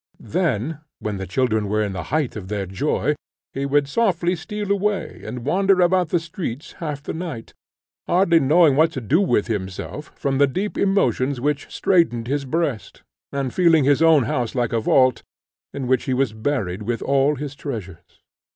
Then, when the children were in the height of their joy, he would softly steal away and wander about the streets half the night, hardly knowing what to do with himself, from the deep emotions which straitened his breast, and feeling his own house like a vault, in which he was buried with all his pleasures.